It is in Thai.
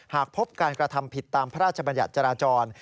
หากพบการกระทำผิดตามพระราชบัญญัติจราจร